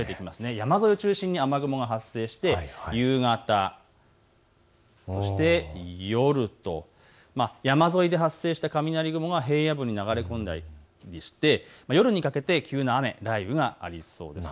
山沿いを中心に雨雲が発生して夕方、そして夜と、山沿いで発生した雷雲が平野部に流れ込んできて夜になって急な雨、雷雨がありそうです。